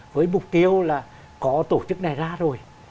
với mục tiêu là có tổ chức này ra rồi